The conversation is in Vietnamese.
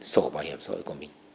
sổ bảo hiểm xã hội của mình